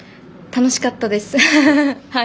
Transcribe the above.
楽しかったです。